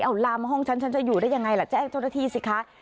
เอ้าลามมาห้องฉันฉันจะอยู่ได้ยังไงล่ะแจ้งทธิสิคะ